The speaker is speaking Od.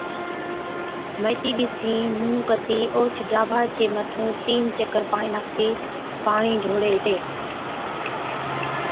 ميٿِي ڏِسِين مُونھ ڪتِي اوهچ ڊاڀا چِي مٿُون تِين چڪر پاڻِي ناکتِي پاڻِي ڍوڙي ھِتين